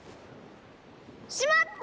しまった！